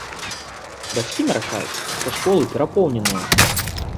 Бацькі наракаюць, што школы перапоўненыя.